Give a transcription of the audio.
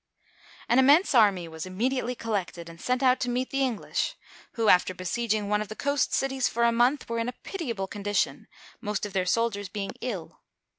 An immense army was immediately collected, and sent out to meet the English, who, after besieging one of the coast cities for a month, were in a pitiable condition, most of their soldiers being ill.